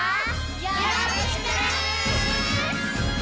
よろしくね！